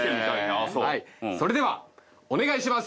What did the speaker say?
それではお願いします。